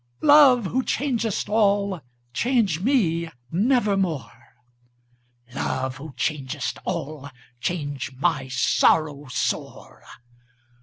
Love, who changest all, change me nevermore! "Love, who changest all, change my sorrow sore!"